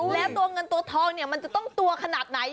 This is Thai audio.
แล้วตัวเงินตัวทองเนี่ยมันจะต้องตัวขนาดไหน